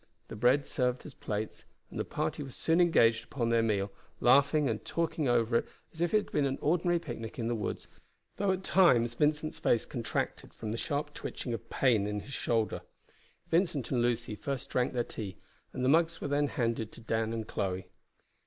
The bread served as plates, and the party were soon engaged upon their meal, laughing and talking over it as if it had been an ordinary picnic in the woods, though at times Vincent's face contracted from the sharp twitching of pain in his shoulder. Vincent and Lucy first drank their tea, and the mugs were then handed to Dan and Chloe.